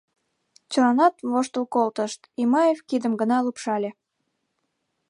Чыланат воштыл колтышт, Имаев кидым гына лупшале.